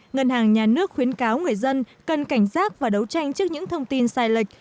ngân hàng nhà nước khuyến cáo người dân cần cảnh giác và đấu tranh trước những thông tin sai lệch